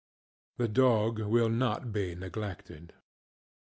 The dog will not be neglected.